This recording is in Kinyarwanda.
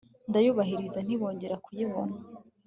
ndayiburabuza ntibongera kuyibona